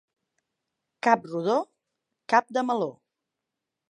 Cap rodó, cap de meló.